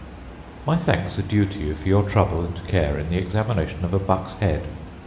My thanks are due to you for your trouble and care in the examination of a buck's head.